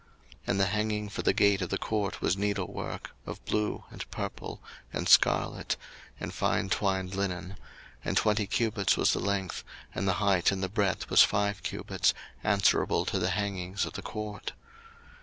02:038:018 And the hanging for the gate of the court was needlework, of blue, and purple, and scarlet, and fine twined linen: and twenty cubits was the length, and the height in the breadth was five cubits, answerable to the hangings of the court.